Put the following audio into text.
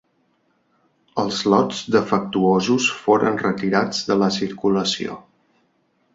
Els lots defectuosos foren retirats de la circulació.